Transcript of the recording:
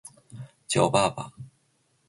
叫爸爸